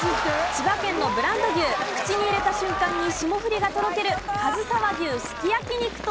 千葉県のブランド牛口に入れた瞬間に霜降りがとろけるかずさ和牛すき焼き肉と。